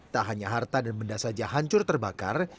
tak hanya harta dan benda saja hancur terbakar